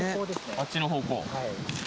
あっちの方向。